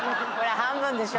半分でしょ。